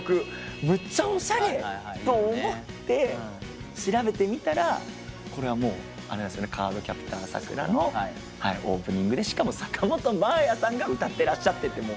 むっちゃおしゃれ」と思って調べてみたら『カードキャプターさくら』のオープニングでしかも坂本真綾さんが歌ってらっしゃって。